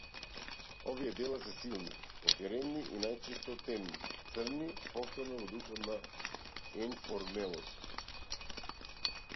Овие дела се силни, кохерентни и најчесто темни, црни, повторно во духот на енформелот.